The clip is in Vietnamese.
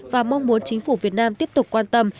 và mong muốn chính phủ việt nam tiếp tục quan tâm